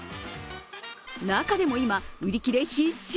中でも今、売り切れ必至？